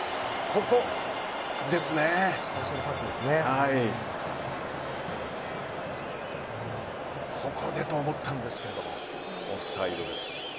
ここでと思ったんですがオフサイドです。